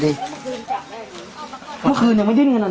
นี่เห็นจริงตอนนี้ต้องซื้อ๖วัน